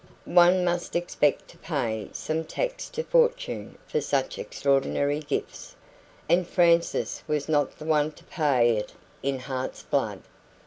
One must expect to pay some tax to Fortune for such extraordinary gifts, and Frances was not the one to pay it in heart's blood.